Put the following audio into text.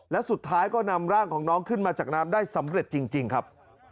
และสุดท้ายก็นำร่างของน้องขึ้นมาจากน้ำได้สำเร็จจริงครับ